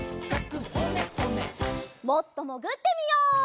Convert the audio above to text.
もっともぐってみよう。